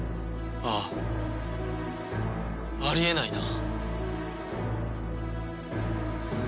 あああり得ないな。